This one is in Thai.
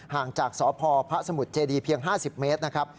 ห่างจากสพพระสมุทรเจดีเพียง๕๐เมตรนะครับ